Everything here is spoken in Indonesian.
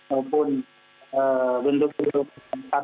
maupun bentuk bentuk satu